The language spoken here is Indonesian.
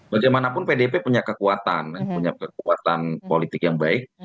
bagaimanapun pdip punya kekuatan punya kekuatan politik yang baik